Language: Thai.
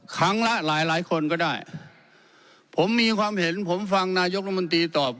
ครั้งละหลายหลายคนก็ได้ผมมีความเห็นผมฟังนายกรมนตรีตอบ